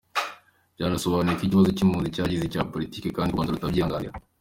Byasobanuwe ko ikibazo cy’impunzi cyagizwe icya politiki ,kandi u Rwanda rutabyihanganira.